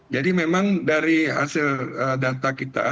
jadi memang dari hasil data kita